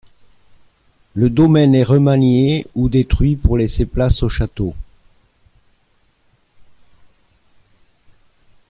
Le domaine est remanié ou détruit pour laisser place au château.